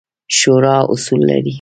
شورا اصول لري